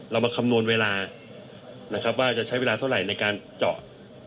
มาคำนวณเวลานะครับว่าจะใช้เวลาเท่าไหร่ในการจอด